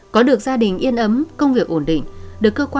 có được gia đình yên ấm công việc ổn định